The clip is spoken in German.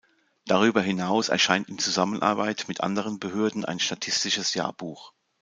Darüber hinaus erscheint in Zusammenarbeit mit anderen Behörden ein statistisches Jahrbuch.